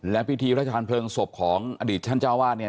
และพิธีพระอภิษฐรรมศพของอดีตท่านเจ้าอาวาส